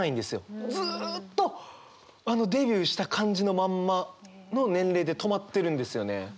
ずっとデビューした感じのまんまの年齢で止まってるんですよね。